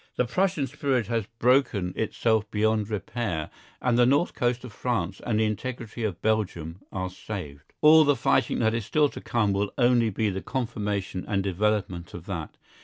The Prussian spirit has broken itself beyond repair, and the north coast of France and the integrity of Belgium are saved. All the fighting that is still to come will only be the confirmation and development of that.